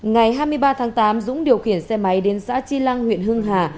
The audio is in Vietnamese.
ngày hai mươi ba tháng tám dũng điều khiển xe máy đến xã chi lăng huyện hưng hà